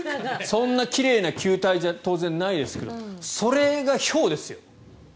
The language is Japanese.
そんな奇麗な球体じゃ当然、ないですけどそれがひょうですよ。